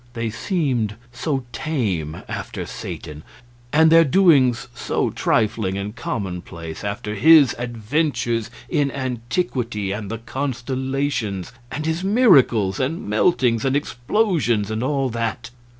They seemed so tame, after Satan; and their doings so trifling and commonplace after his adventures in antiquity and the constellations, and his miracles and meltings and explosions, and all that.